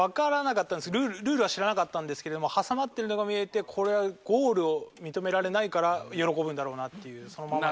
ルールは知らなかったんですけども挟まってるのが見えてゴールを認められないから喜ぶんだろうなっていう。